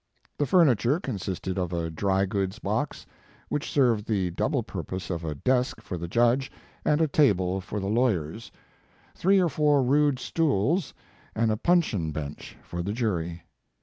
The furniture consisted of a dry goods box, which served the double purpose of a desk for the judge and a table for the lawyers, three or four rude stools and a puncheon bench for the jury.